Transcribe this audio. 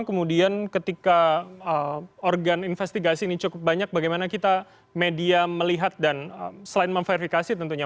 kemudian ketika organ investigasi ini cukup banyak bagaimana kita media melihat dan selain memverifikasi tentunya